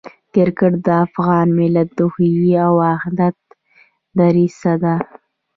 کرکټ د افغان ملت د خوښۍ واحده دریڅه ده.